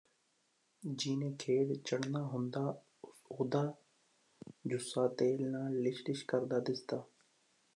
ਜੀਹਨੇ ਖੇਡ ਚੜ੍ਹਨਾ ਹੁੰਦਾ ਉਹਦਾ ਜੁੱਸਾ ਤੇਲ ਨਾਲ ਲਿਸ਼ ਲਿਸ਼ ਕਰਦਾ ਦਿਸਦਾ